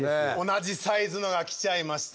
同じサイズのが来ちゃいました。